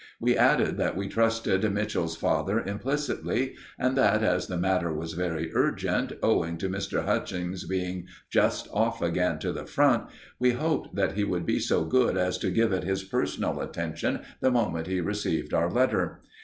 We added that we trusted Mitchell's father implicitly, and that as the matter was very urgent, owing to Mr. Hutchings being just off again to the Front, we hoped that he would be so good as to give it his personal attention the moment he received our letter.